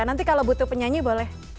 nanti kalau butuh penyanyi boleh